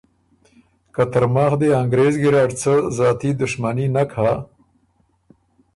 که ترماخ دې انګرېز ګیرډ څه زاتي دُشمني نک هۀ،